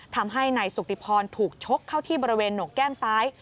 ทำให้นายสุติพรถูกชกเข้าที่บริเวณหนกแก้มซ้าย